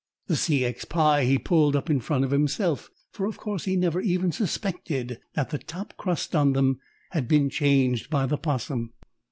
The C. X. pie he pulled up in front of himself, for of course he never even suspected that the top crust on them had been changed by the 'Possum.